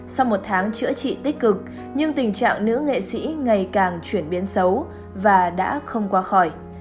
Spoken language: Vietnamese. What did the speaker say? sau một tháng chữa trị tích cực nhưng tình trạng nữ nghệ sĩ ngày càng chuyển biến xấu và đã không qua khỏi